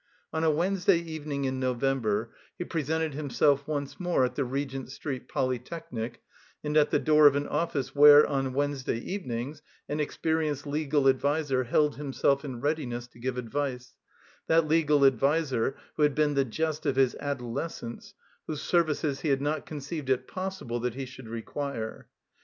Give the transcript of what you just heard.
On a Wednesday evening in November, he pre sented himself once more at the Regent Street Polytechnic and at the door of an oflSce where, on Wednesday evenings, an experienced legal adviser held himself in readiness to give advice, that legal adviser who had been the jest of his adolescence, whose services he had not conceived it possible that he should require.